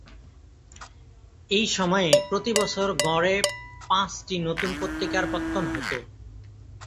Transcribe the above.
এই সময়ে প্রতি বছর গড়ে পাঁচটি নতুন পত্রিকার পত্তন হত।